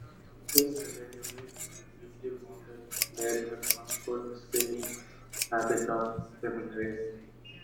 This relatively weakly bonded layering accounts for the "scaley" habit of the mineral.